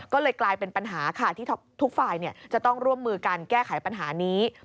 ก็เลยกลายเป็นปัญหาค่ะที่ทุกฝ่ายจะต้องร่วมมือการแก้ไขปัญหานี้